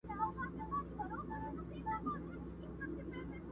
د رستمانو په نکلونو به ملنډي وهي؛